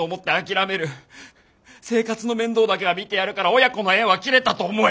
生活の面倒だけは見てやるから親子の縁は切れたと思え」